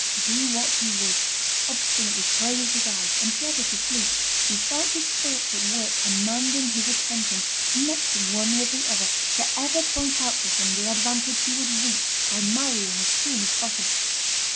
Do what he would, obstinately close his eyes, endeavour to sleep, he felt his thoughts at work commanding his attention, connecting one with the other, to ever point out to him the advantage he would reap by marrying as soon as possible.